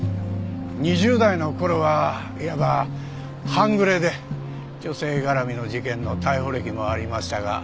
２０代の頃はいわば半グレで女性絡みの事件の逮捕歴もありましたが。